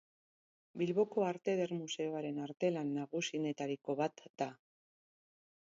Bilboko Arte Eder Museoaren artelan nagusienetariko bat da.